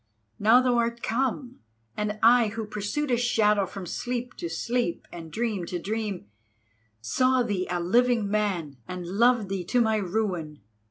Now thou art come, and I, who pursued a shadow from sleep to sleep and dream to dream, saw thee a living man, and loved thee to my ruin.